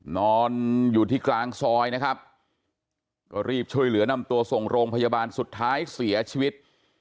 นอนอยู่ที่กลางซอยนะครับก็รีบช่วยเหลือนำตัวส่งโรงพยาบาลสุดท้ายเสียชีวิต